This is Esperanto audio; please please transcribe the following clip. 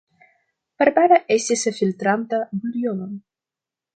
Barbara estis filtranta buljonon.